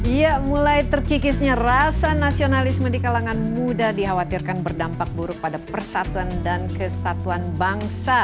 ya mulai terkikisnya rasa nasionalisme di kalangan muda dikhawatirkan berdampak buruk pada persatuan dan kesatuan bangsa